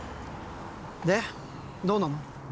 でどうなの？